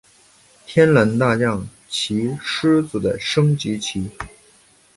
天竺大将棋狮子的升级棋。